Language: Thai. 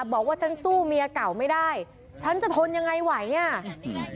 บอกว่าฉันสู้เมียเก่าไม่ได้ฉันจะทนยังไงไหวอ่ะอืม